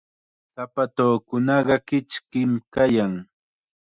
Sapatuukunaqa kichkim kayan.